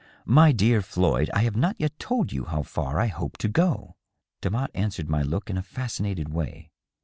"My dear Floyd, I have not yet told you how far I hope to go." Demotte answered my look in a fascinated way.